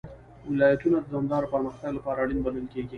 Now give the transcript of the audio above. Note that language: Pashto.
ولایتونه د دوامداره پرمختګ لپاره اړین بلل کېږي.